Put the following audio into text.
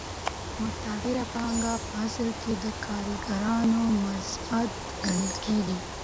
متغیره پانګه په اصل کې د کارګرانو مزد ګڼل کېږي